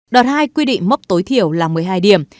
đợt hai quy định mốc tối thiểu là một mươi hai điểm